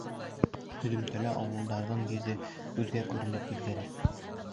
Һөҙөмтәлә ауылдарҙың йөҙө күҙгә күренеп үҙгәрә.